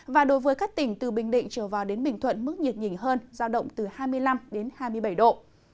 và đối với các tỉnh từ bình định trở vào đến bình thuận mức nhiệt nhỉnh hơn giao động từ hai mươi năm hai mươi bảy độ